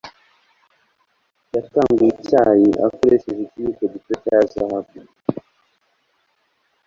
Yakanguye icyayi akoresheje ikiyiko gito cya zahabu.